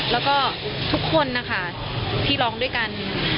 แล้วก็ทุกคนนะคะที่ร้องด้วยกัน